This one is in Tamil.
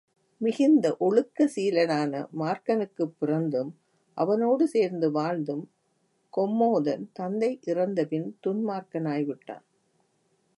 மிகுந்த ஒழுக்க சீலனான மார்க்கனுக்குப் பிறந்தும், அவனோடு சேர்ந்து வாழ்ந்தும், கொம்மோதன் தந்தை இறந்தபின் துன்மார்க்கனாய்விட்டான்.